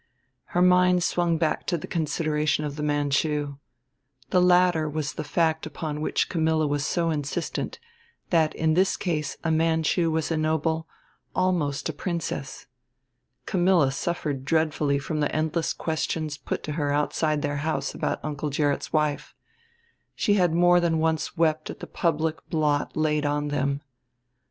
Her mind swung back to the consideration of the Manchu: The latter was the fact upon which Camilla was so insistent, that in this case a Manchu was a noble, almost a princess. Camilla suffered dreadfully from the endless questions put to her outside their house about Uncle Gerrit's wife. She had more than once wept at the public blot laid on them.